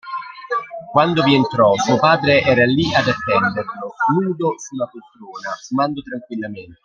Quando vi entrò suo padre era lì ad attenderlo, nudo su una poltrona, fumando tranquillamente.